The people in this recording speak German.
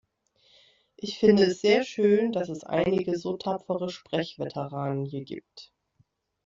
Ich finde es sehr schön, dass es einige so tapfere Sprecherveteranen hier gibt.